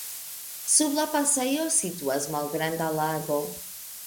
Sub la pasejo situas malgranda lago.